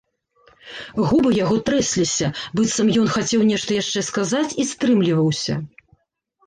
Губы яго трэсліся, быццам ён хацеў нешта яшчэ сказаць і стрымліваўся.